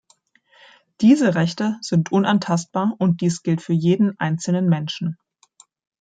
Diese Rechte sind unantastbar und dies gilt für jeden einzelnen Menschen.